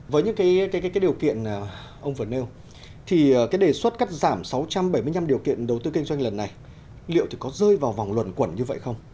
với những cái điều kiện ông vừa nêu thì cái đề xuất cắt giảm sáu trăm bảy mươi năm điều kiện đầu tư kinh doanh lần này liệu thì có rơi vào vòng luẩn quẩn như vậy không